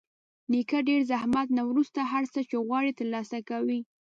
نیکه د ډېر زحمت نه وروسته هر څه چې غواړي ترلاسه کوي.